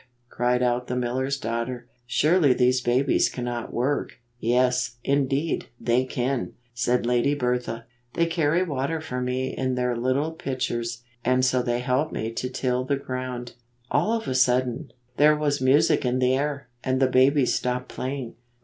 cried out the miller's daugh ter. " Surely these babies cannot work !" "Yes, indeed, they can," said Lady Bertha. "They carry water for me in their little pitchers, and so they help me to till the ground." All of a sudden, there was music in the air, and the babies stopped playing.